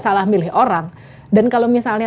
salah milih orang dan kalau misalnya